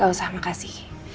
gak usah makasih